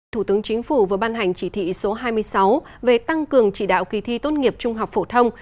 thủ tướng chính phủ vừa ban hành chỉ thị số hai mươi sáu về tăng cường chỉ đạo kỳ thi tốt nghiệp trung học phổ thông